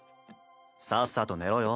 さっさと寝ろよ。